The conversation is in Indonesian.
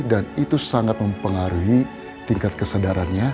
dan itu sangat mempengaruhi tingkat kesadarannya